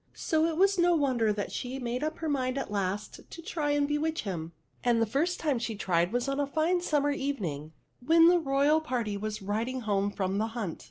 So it was no wonder that she made up her mind, at last, to try and bewitch him ; and the first time she tried was on a fine sum mer evening, when the royal party was riding home from the hunt.